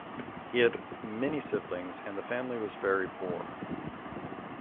He had many siblings and the family was very poor.